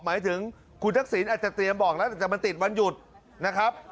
หมายถึงคุณทักษิณอาจจะเตรียมบอกแล้วแต่มันติดวันหยุดนะครับ